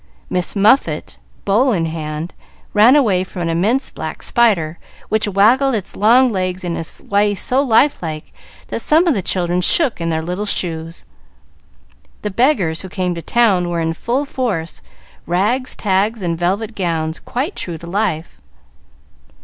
"Miss Muffet," bowl in hand, ran away from an immense black spider, which waggled its long legs in a way so life like that some of the children shook in their little shoes. The beggars who came to town were out in full force, "rags, tags, and velvet gowns," quite true to life.